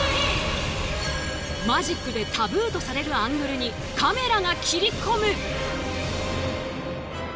マジックでタブーとされるアングルにカメラが切り込む。